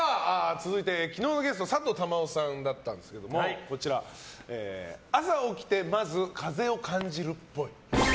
続いて、昨日のゲストさとう珠緒さんだったんですが朝起きてまず風を感じるっぽい。